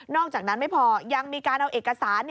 อกจากนั้นไม่พอยังมีการเอาเอกสาร